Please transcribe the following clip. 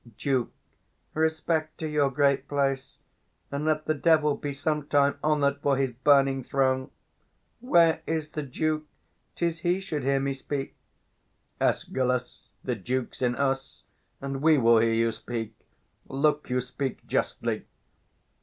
Duke. Respect to your great place! and let the devil 290 Be sometime honour'd for his burning throne! Where is the Duke? 'tis he should hear me speak. Escal. The Duke's in us; and we will hear you speak: Look you speak justly.